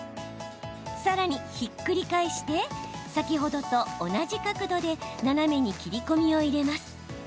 さらに、ひっくり返して先ほどと同じ角度で斜めに切り込みを入れます。